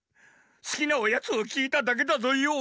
すきなおやつをきいただけだぞよ。